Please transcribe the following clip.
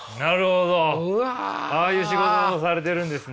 ああいう仕事をされてるんですね。